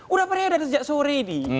udah beredar sejak sore ini